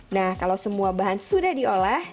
nah kalau semua bahan sudah diolah